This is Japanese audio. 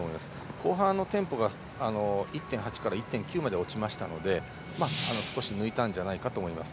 後半はテンポが１．８から１．９まで落ちましたので少し抜いたんじゃないかと思います。